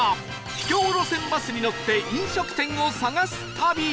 秘境路線バスに乗って飲食店を探す旅